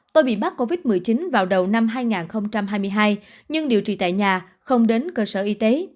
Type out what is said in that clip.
tôi bị mắc covid một mươi chín vào đầu năm hai nghìn hai mươi hai nhưng điều trị tại nhà không đến cơ sở y tế